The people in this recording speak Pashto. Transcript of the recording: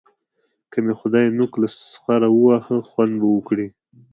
که مې خدای نوک له سخره وواهه؛ خوند به وکړي.